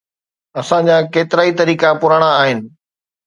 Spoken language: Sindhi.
اسان جا ڪيترائي طريقا پراڻا آھن.